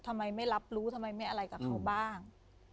ทำไมไม่รับรู้ทำไมไม่อะไรกับเขาบ้าง